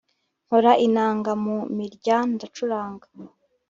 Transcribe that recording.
Nkora inanga mu mirya ndacuranga